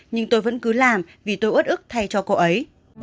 nhưng tôi vẫn cứ làm vì tôi ước ước thay cho cô ấy